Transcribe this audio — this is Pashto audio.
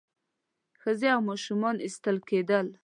ښځې او ماشومان ایستل کېدل.